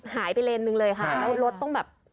หายไปเลนซ์หนึ่งเลยคะแล้วรถต้องแบบ